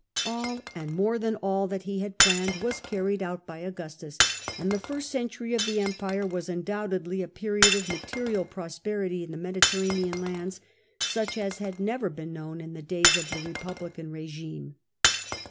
All, and more than all, that he had planned was carried out by Augustus, and the first century of the empire was undoubtedly a period of material prosperity in the Medi terranean lands such as liad never been known in the days of the Eepublican rigimo.